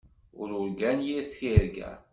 Ur urgan yir tirga.